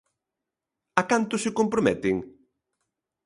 ¿A canto se comprometen?